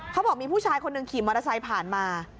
เขาบอกมีผู้ชายคนหนึ่งขี่มอเตอร์ไซค์ผ่านมา